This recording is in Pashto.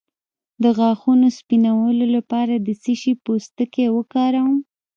د غاښونو سپینولو لپاره د څه شي پوستکی وکاروم؟